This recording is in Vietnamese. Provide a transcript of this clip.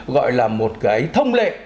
gọi là một cái thông lệ